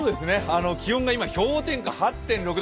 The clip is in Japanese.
気温が今、氷点下８．６度。